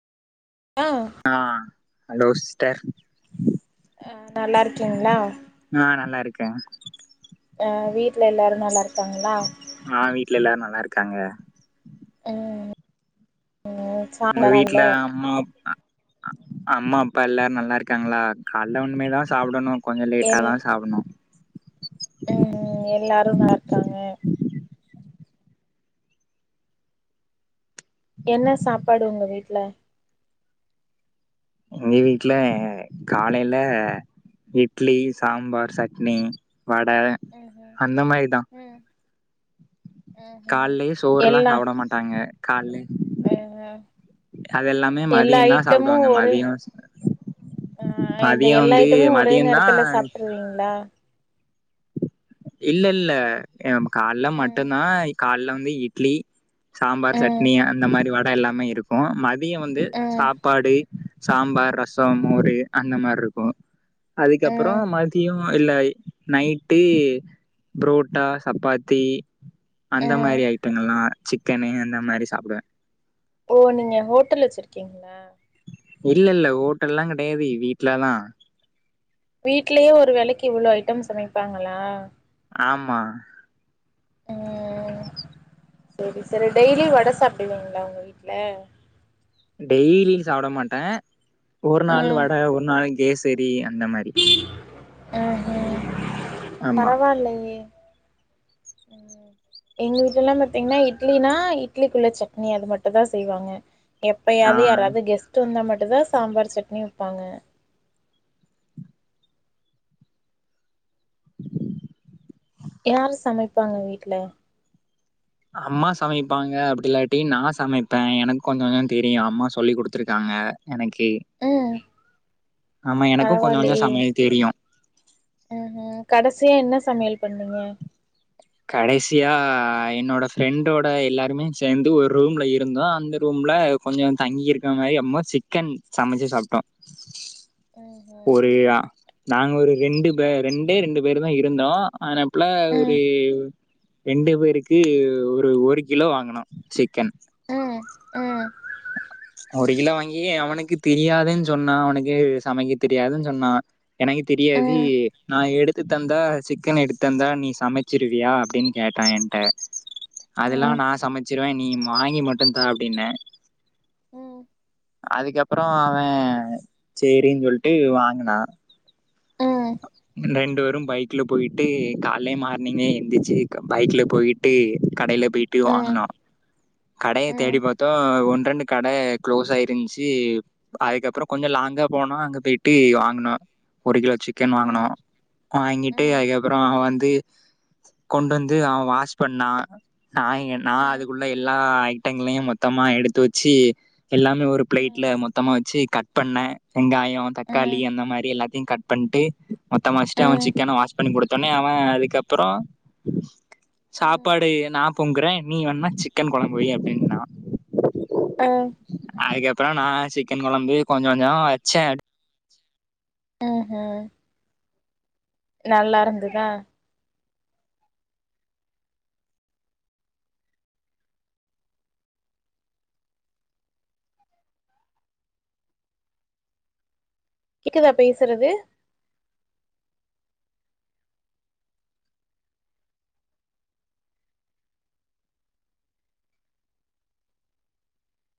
ஆ ஆ hello sister அ நல்லாருக்கீங்ளா ஆ நல்லா இருக்க ஆ வீட்ல எல்லாரு நல்லா இருக்காங்ளா ஆ வீட்ல எல்லாரு நல்லா இருக்காங்க ம் ம் உங்க வீட்ல சாப்டலால்ல அம்மா அப்பா அம்மா அப்பா எல்லாரு நல்லா இருக்காங்களா கால்ல இண்மேல்தா சாப்டணு கொஞ்சோ லேட்டா தா சாப்புணு ம் ம் எல்லாரு நல்லாருக்காங்க என்ன சாப்பாடு உங்க வீட்ல எங்க வீட்ல காலைல இட்லி சாம்பார் சட்னி வட ம் ம் அந்த மாரிதா ம் ம் ம் கால்லயு சோறுல்லா எல்லா சாப்பட மாட்டாங்க கால்லே அ அது எல்லாமே எல்லா மதியந்தா ஐட்டமு சாப்டுவாங்க ஒரே மதியோ ஆ இந்த மதியோ எல்லா வந்து ஐட்டமு ஒரே மதியந்தா நேரத்துல சாப்ட்ருவீங்களா இல்ல இல்ல கால்ல ம் மட்டுனா கால்ல வந்து இட்லி சாம்பார் ம் சட்னி அந்த மாரி வட எல்லாமே இரு உ மதியோ வந்து ம் சாப்பாடு சாம்பார் ரசம் ம் மோரு அந்த மார்ருக் கு அதுக்கப்புறோ ம் மதியோ இல்ல நைட்டு புரோட்டா சப்பாத்தி அந்த ம் மாரி ஐட்டங்கள்லா சிக்கனு அந்த மாரி சாப்டுவே ஓ நீங்க ஹோட்டல் வச்சிருக்கீங்களா இல்லல்ல ஹோட்டல்லாம் கிடையாது வீட்லதா வீட்டுலயே ஒரு வேலைக்கு இவ்ளோ ஐட்டம் சமைப்பாங்களா ஆமா ம் செரி செரி டெய்லி வட சாப்பிடுவீங்களா உங்க வீட்ல டெய்லிக் சாப்ட மாட்டே ஒரு நாள் வட ஒரு நாள் கேசரி அந்த மாரி ஆ ஆ ஆமா பரவாயில்லையே எங்க வீட்லல்லா பாத்தீங்கன்னா இட்லினா இட்லிக்குள்ள சட்னி அது மட்டு தா செய்வாங்க எப்பயாவே ஆ யாராவது கெஸ்ட்டு வந்தா மட்டுந்தா சாம்பார் சட்னி வைப்பாங்க யாரு சமைப்பாங்க வீட்ல அம்மா சமைப்பாங்க அப்படி இல்லாட்டி நா சமைப்ப எனக்கு கொஞ்ச கொஞ்சோ தெரியு அம்மா சொல்லி குடுத்துருக்காங்க எனக்கு ம் ஆமா எனக்கு கொஞ்ச கொஞ்சோ சமையல் தெரியு ம்ஹும் கடைசியா என்ன சமையல் பண்ணீங்க கடைசியா என்னோட ஃப்ரெண்டோட எல்லாருமே சேர்ந்து ஒரு ரூம்ல இருந்தோம் அந்த ரூம்ல கொஞ்சோ தங்கி இருக்க மாரி அம்ப சிக்கன் சமைச்சு சாப்டோம் ம் ஒரு நாங்க ஒரு ரெண்டு பே ரெண்டே ரெண்டு பேரு தான் இருந்தோம் ஆனா அப்பல ஒரு ம் ரெண்டு பேருக்கு ஒரு ஒரு கிலோ வாங்குனோ சிக்கன் ம் ம் ஒரு கிலோ வாங்கி அவனுக்கு தெரியாதுனு சொன்னா அவனுக்கு சமைக்க தெரியாதுன்னு சொன்னா எனக்கு தெரியாது ம் நா எடுத் து தந்தா சிக்கன் எடுத்துதந்தா நீ சமைச்சிருவியா அப்டின்னு கேட்டா என்கிட்ட அதெல்லா ம் நா சமைச்சிருவேன் நீ வாங்கி மட்டுதா அப்டின்னே ம் அதுக்கப்பறோ அவன் சேரின்னு சொல்ட்டு வாங்குனா ம் ரெண்டு பேரும் பைக் ல போயிட்டு கால்லே மார்னிங்கே எந்திரிச்சு பைக்ல போயிட்டு கடைலப் போய்ட்டு ம் ம் வாங்குனோ கடைய ம் ம் தேடி பாத்தோம் ஒன்ரெண்டு கடை க்ளோஸ் ஆயிருஞ்சு அதுக்கப்பறோ கொஞ்ச லாங்கா போன அங்க போயிட்டு வாங்கனோ ஒரு கிலோ சிக்கன் வாங்கனோ வாங்கிட்டு ம் அதுக்கப்பறோ வந்து கொண்டு வந்து அவ வாஷ் பண்ணா நா நா ம் அதுக்குள்ள எல்லா ஐட் ட்டைங்களையும் மொத்தமாக எடுத்து வச்சு எல்லாமே ஒரு ம் பிளைட்ல மொத்தமா வச்சு கட் பண்ண வெங்காயம் தக்காளி ம் அந்த மாரி எல்லாத்தையும் கட் பண்ட்டு மொத்தம் அச்சுட்டு அவன் ம் சிக்கன வாஷ் பண்ணி குடுத்துன்னே அவன் அதுக்கப்பறோ ம் சாப்பாடு நா பொங்குறேன் நீ வேண்ணா சிக்கன் குழம்பு வை அப்டின்டா ஆ அதுக்கப்பறம் நா சிக்கன் குழம்பு கொஞ்சம் கொஞ்சம் வச்சேன் ம் ஹூம் நல்லா இருந்துதா கேக்குதா பேசுறது